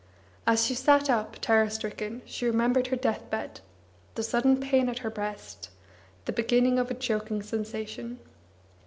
As she sat up, terror stricken, she remembered her death bed, the sudden pain at her breast, the beginning of a choking sensation.